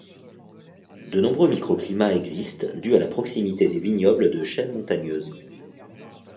De nombreux micro-climats existent dus à la proximité des vignobles de chaînes montagneuses.